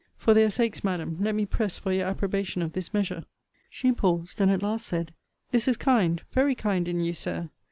For their sakes, Madam, let me press for your approbation of this measure. She paused; and at last said, This is kind, very kind, in you, Sir.